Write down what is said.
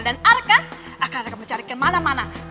dan arka akan mencarikan mana mana